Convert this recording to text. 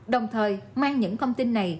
đồng thời mang những thông tin này